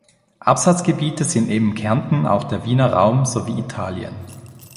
Absatzgebiete sind neben Kärnten auch der Wiener Raum sowie Italien.